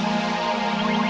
kamu tuh kecil lagi